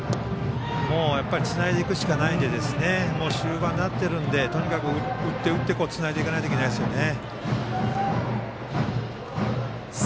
つないでいくしかない状況なのでもう終盤になっているのでとにかく打って打ってつないでいかないといけないですよね。